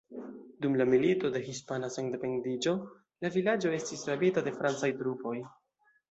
Dum la Milito de Hispana Sendependiĝo la vilaĝo estis rabita de francaj trupoj.